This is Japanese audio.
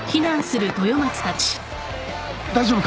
大丈夫か？